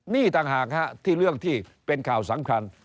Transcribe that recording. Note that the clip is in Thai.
นี่ต่างหากที่เรื่องที่เป็นข่าวสำคัญ